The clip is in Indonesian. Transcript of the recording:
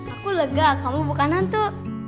aku lega kamu bukan hantu